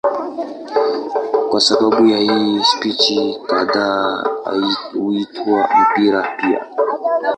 Kwa sababu ya hii spishi kadhaa huitwa mpira pia.